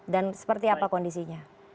dan seperti apa kondisinya